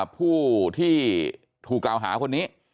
ผู้ที่ถูกกล่าวหาคนนี้